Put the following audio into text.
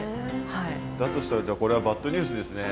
だとしたらじゃあこれはバッドニュースですね。